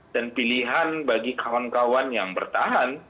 dan pilihan bagi kawan kawan yang bertahan